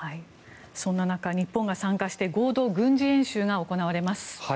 そんな中、日本が参加して合同軍事演習が行われます。